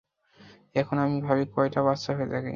এখন আমি ভাবি কয়েকটা বাচ্চা হয়ে যাক।